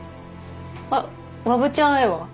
あっわぶちゃんへは？